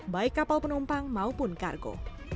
baik kapal penumpang maupun kargo